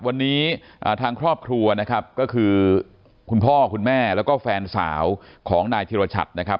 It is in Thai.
วันนี้ทางครอบครัวนะครับก็คือคุณพ่อคุณแม่แล้วก็แฟนสาวของนายธิรชัดนะครับ